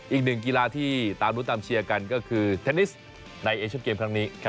อีกหนึ่งกีฬาที่ตามรุ้นตามเชียร์กันก็คือเทนนิสในเอเชียนเกมครั้งนี้